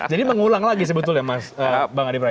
jadi mengulang lagi sebetulnya bang adi praito